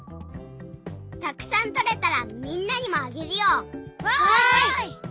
たくさんとれたらみんなにもあげるよ。わい！